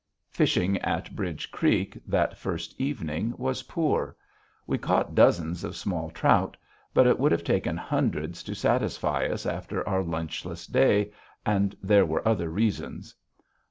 Fishing at Bridge Creek, that first evening, was poor. We caught dozens of small trout. But it would have taken hundreds to satisfy us after our lunchless day, and there were other reasons.